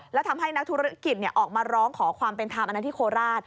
แล้วทำให้นักธุรกิจออกมาร้องขอความเป็นธรรมอันนั้นที่โคราช